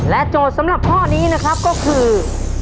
โจทย์สำหรับข้อนี้นะครับก็คือ